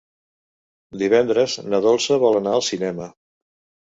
Divendres na Dolça vol anar al cinema.